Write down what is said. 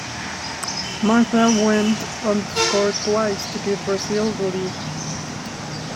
Marta went on to score twice to give Brazil the lead.